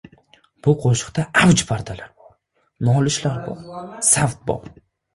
Bu qo‘shiqda avj pardalar bor, nolishlar bor, savt bor.